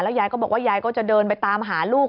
ยายก็บอกว่ายายก็จะเดินไปตามหาลูก